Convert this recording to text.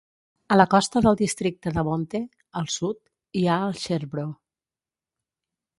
A la costa del districte de Bonthe, al sud, hi ha els sherbro.